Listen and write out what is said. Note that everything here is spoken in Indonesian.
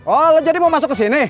oh jadi mau masuk ke sini